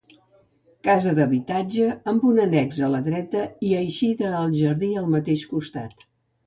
Casa d'habitatge, amb un annex a la dreta i eixida al jardí al mateix costat.